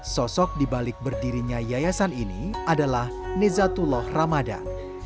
sosok dibalik berdirinya yayasan ini adalah nezatullah ramadan